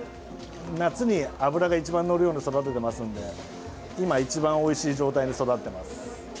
夏に脂が一番のるように育てていますので今、一番おいしい状態に育ってます。